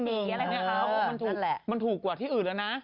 เพราะว่ามันถูกกว่าที่อื่นแล้วนะ